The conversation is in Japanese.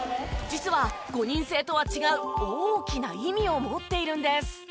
実は５人制とは違う大きな意味を持っているんです。